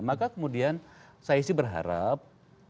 maka kemudian saya sih berharap